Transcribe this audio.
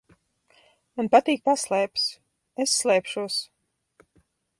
Man patīk paslēpes. Es slēpšos.